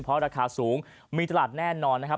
เพราะราคาสูงมีตลาดแน่นอนนะครับ